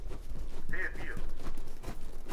Где је био?